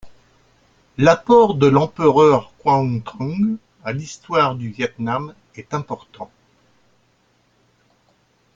L’apport de l’empereur Quang Trung à l'histoire du Viêt Nam est important.